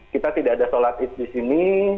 kita tidak ada sholat id di sini